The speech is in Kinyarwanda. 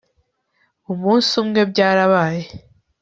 umunsi umwe byarabaye